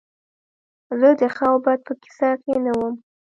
زه د ښه او بد په کیسه کې نه وم